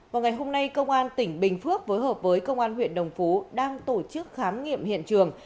vào ngày hôm nay công an tỉnh bình phước phối hợp với công an huyện đồng phú đang tổ chức khám nghiệm hiện trường